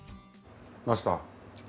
マスター。